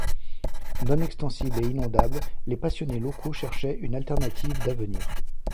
Non extensible et inondable, les passionnés locaux cherchaient une alternative d’avenir.